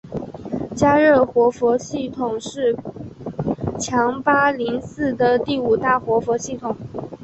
嘉热活佛系统是强巴林寺的第五大活佛系统。